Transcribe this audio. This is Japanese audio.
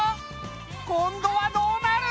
今度はどうなる？